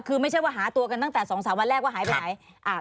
คือไม่ใช่ว่าหาตัวกันตั้งแต่๒๓วันแรกว่าหายไปไหน